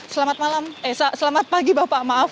selamat malam esa selamat pagi bapak maaf